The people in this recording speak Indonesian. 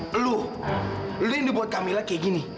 kamu kamu yang membuat kamila seperti ini